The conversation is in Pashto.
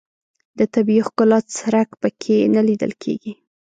د طبیعي ښکلا څرک په کې نه لیدل کېږي.